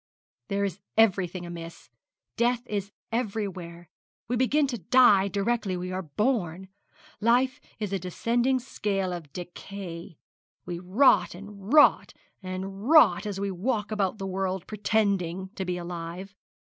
'There is everything amiss. Death is everywhere we begin to die directly we are born life is a descending scale of decay we rot and rot and rot as we walk about the world, pretending to be alive.